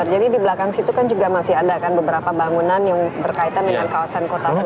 jadi di belakang situ kan juga masih ada kan beberapa bangunan yang berkaitan dengan kawasan kota itu